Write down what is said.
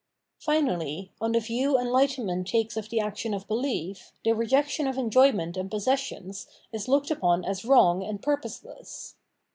Finally, on the view enhghtenment takes of the action of behef, the rejection of enjoyment and posses sions is looked upon as wrong and purposeless.